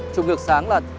chụp ngược sáng là